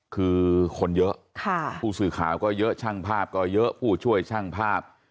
คือคนเยอะผู้สื่อข่าวก็เยอะช่างภาพก็เยอะผู้ช่วยช่างภาพ